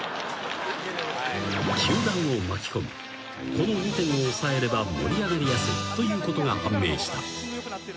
［この２点を押さえれば盛り上がりやすいということが判明した］